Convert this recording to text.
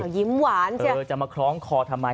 ยิ้มหวานจังเธอจะมาคล้องคอทำไม